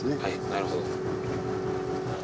なるほど。